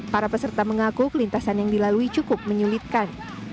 para peserta mengaku kelintasan yang dilalui cukup menyulitkan